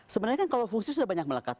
sebenarnya kan kalau fungsi sudah banyak melekat